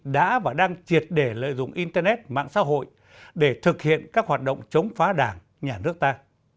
đã và đang triệt để lợi dụng internet mạng xã hội để thực hiện các hoạt động chống phá đảng nhà nước ta